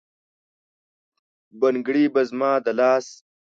بنګړي به زما د لاس،